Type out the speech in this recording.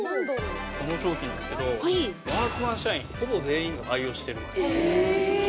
この商品なんですけど、ワークマン社員、ほぼ全員が愛用しています。